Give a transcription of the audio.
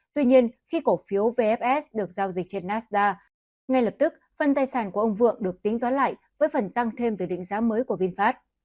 tuy nhiên khi cổ phiếu vfs được giao dịch trên nastda ngay lập tức phần tài sản của ông vượng được tính toán lại với phần tăng thêm từ định giá mới của vinfast